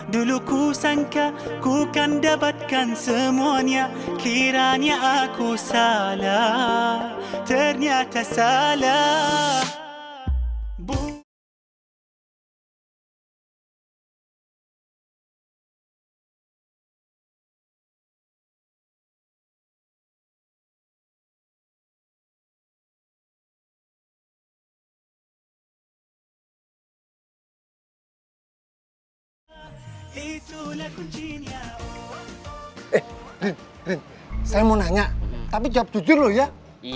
dulu ku sangka ku kan dapatkan semuanya kiranya aku salah ternyata salah